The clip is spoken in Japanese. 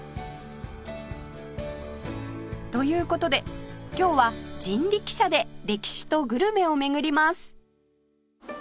という事で今日は人力車で歴史とグルメを巡ります